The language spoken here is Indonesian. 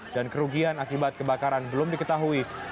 dan kerugian akibat kebakaran belum diketahui